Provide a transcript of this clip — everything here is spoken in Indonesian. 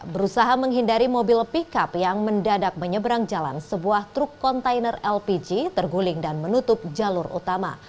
berusaha menghindari mobil pickup yang mendadak menyeberang jalan sebuah truk kontainer lpg terguling dan menutup jalur utama